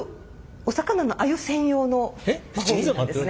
お魚のアユ専用の魔法瓶なんですね。